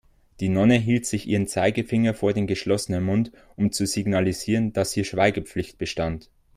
Die Nonne hielt sich ihren Zeigefinger vor den geschlossenen Mund, um zu signalisieren, dass hier Schweigepflicht bestand.